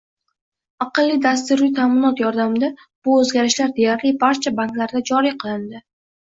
Aqlli dasturiy taʼminot yordamida bu oʻzgarishlar deyarli barcha banklarda joriy qilindi.